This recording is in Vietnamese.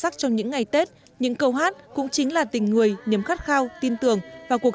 của những ngày tết những câu hát cũng chính là tình người nhắm khát khao tin tưởng và cuộc